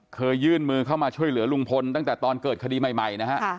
ยื่นมือเข้ามาช่วยเหลือลุงพลตั้งแต่ตอนเกิดคดีใหม่นะฮะ